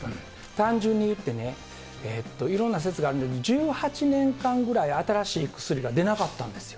単純に言ってね、いろんな説があるんで、１８年間ぐらい新しい薬が出なかったんですよ。